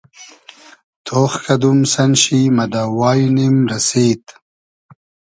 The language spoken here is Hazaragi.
تۉخ کئدوم سئن شی مۂ دۂ واݷنیم رئسید